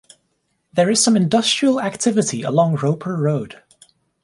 There is some industrial activity along Roper Road.